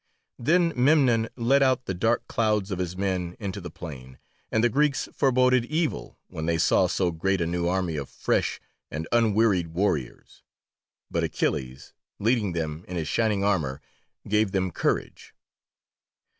Then Memnon led out the dark clouds of his men into the plain, and the Greeks foreboded evil when they saw so great a new army of fresh and unwearied warriors, but Achilles, leading them in his shining armour, gave them courage.